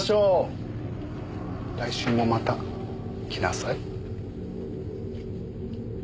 来週もまた来なさい。